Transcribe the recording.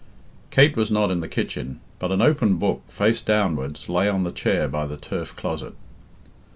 Kate was not in the kitchen, but an open book, face downwards, lay on the chair by the turf closet.